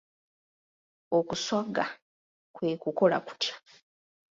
Okuswaga kwe kukola kutya?